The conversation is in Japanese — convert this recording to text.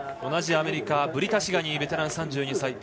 同じアメリカブリタ・シガニーベテラン３２歳。